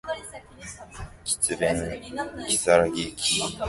桔梗駅